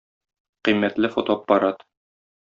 Кыйммәтле фотоаппарат